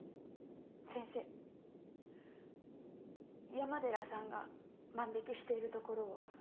山寺さんが万引しているところを。